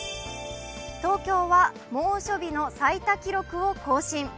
東京は猛暑日の最多記録を更新。